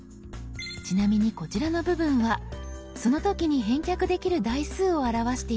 ちなみにこちらの部分はその時に返却できる台数を表しています。